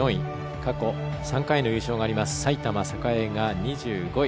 過去３回の優勝がある埼玉栄が２５位。